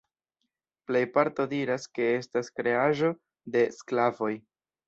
Plejparto diras ke estas kreaĵo de sklavoj.